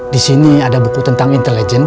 disini ada buku tentang intelijen bu